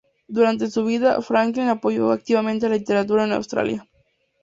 Durante su vida, Franklin apoyó activamente la literatura en Australia.